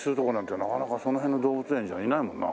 なかなかその辺の動物園じゃいないもんな。